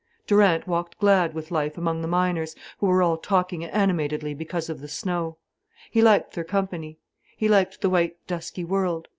Durant walked glad with life among the miners, who were all talking animatedly because of the snow. He liked their company, he liked the white dusky world.